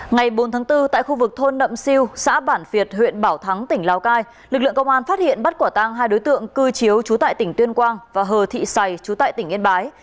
ngày bốn tháng bốn tại khu vực thôn nậm siêu xã bản việt huyện bảo thắng tỉnh lào cai lực lượng công an phát hiện bắt quả tang hai đối tượng cư chiếu trú tại tỉnh tuyên quang và hờ thị sài chú tại tỉnh yên bái